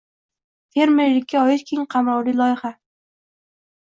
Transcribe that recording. Fermerlikka oid keng qamrovli loyiha